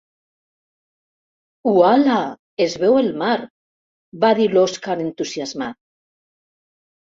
Ual·la, es veu el mar! —va dir l'Oskar, entusiasmat.